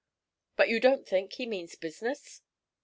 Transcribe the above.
'But you don't think he means business?'